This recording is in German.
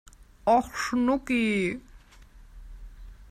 Och, Schnucki!